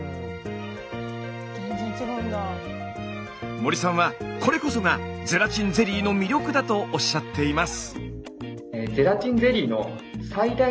森さんはこれこそがゼラチンゼリーの魅力だとおっしゃっています。